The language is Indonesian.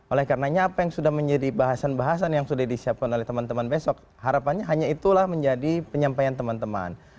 oleh karenanya apa yang sudah menjadi bahasan bahasan yang sudah disiapkan oleh teman teman besok harapannya hanya itulah menjadi penyampaian teman teman